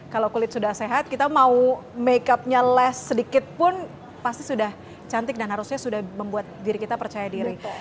kalau kulit sudah sehat kita mau makeupnya less sedikit pun pasti sudah cantik dan harusnya sudah membuat diri kita percaya diri